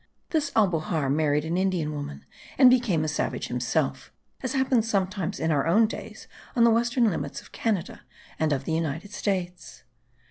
This Albujar married an Indian woman and became a savage himself, as happens sometimes in our own days on the western limits of Canada and of the United States.